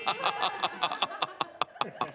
ハハハハ。